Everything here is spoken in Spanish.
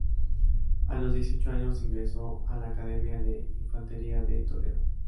A los dieciocho años ingresó en la Academia de Infantería de Toledo.